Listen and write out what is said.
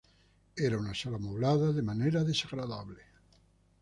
Era una sala moblada de manera desagradable.